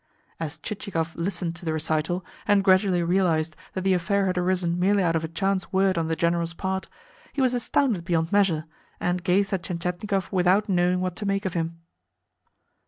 As Chichikov listened to the recital, and gradually realised that the affair had arisen merely out of a chance word on the General's part, he was astounded beyond measure, and gazed at Tientietnikov without knowing what to make of him.